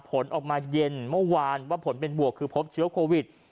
ผลออกมาเย็นเมื่อวานว่าผลเป็นบวกคือพบเชื้อโควิด